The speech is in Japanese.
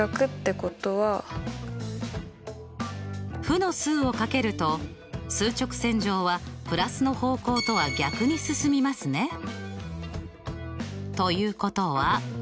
負の数を掛けると数直線上は＋の方向とは逆に進みますね。ということは。